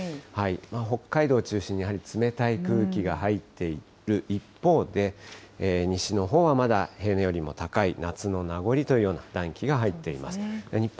北海道中心に、やはり冷たい空気が入っている一方で、西のほうはまだ平年よりも高い夏の名残というような暖気が入っています。